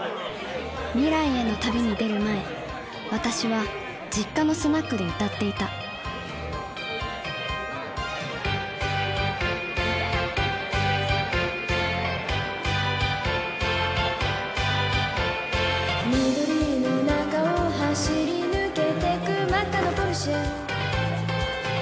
未来への旅に出る前私は実家のスナックで歌っていた「緑の中を走り抜けてく真紅なポルシェ」